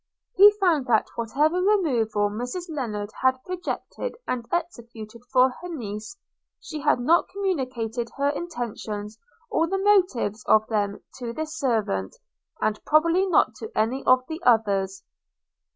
He found that whatever removal Mrs Lennard had projected and executed for her niece, she had not communicated her intentions, or the motives of them, to this servant, and probably not to any of the others.